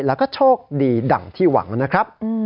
แล้วก็โชคดีดั่งที่หวังนะครับ